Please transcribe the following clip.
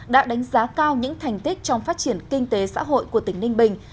đã đánh giá cao những thành tích trong phát triển kinh tế xã hội của tỉnh ninh bình